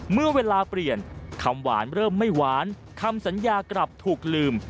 เมื่อเวลาเปลี่ยนคำหวานเริ่มไม่หวานคำสัญญากลับถูกลืม